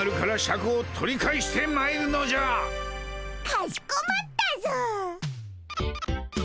かしこまったぞ！